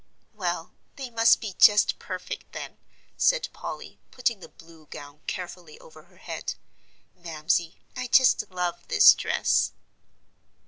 "Well, they must be just perfect, then," said Polly, putting the blue gown carefully over her head. "Mamsie, I just love this dress."